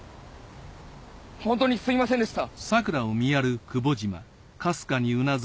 本当にすみませんでした。